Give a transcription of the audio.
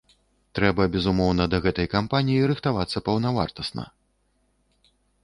Трэба, безумоўна, да гэтай кампаніі рыхтавацца паўнавартасна.